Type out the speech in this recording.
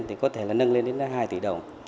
thì có thể là nâng lên đến hai tỷ đồng